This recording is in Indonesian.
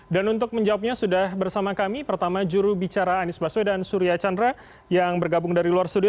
dan untuk menjawabnya sudah bersama kami pertama juru bicara anies baswedan surya chandra yang bergabung dari luar studio